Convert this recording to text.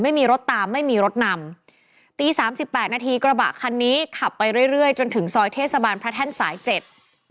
ไม่มีรถตามไม่มีรถนำตีสามสิบแปดนาทีกระบะคันนี้ขับไปเรื่อยเรื่อยจนถึงซอยเทศบาลพระแท่นสายเจ็ด